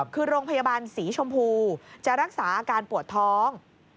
คือโรงพยาบาลสีชมพูจะรักษาอาการปวดท้อง